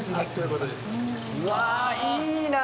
うわいいな。